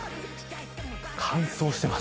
乾燥してます。